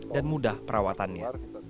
dan mudah perawatannya